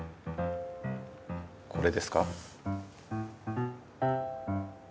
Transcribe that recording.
これですか？